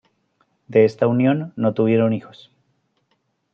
De esta unión no tuvieron hijos.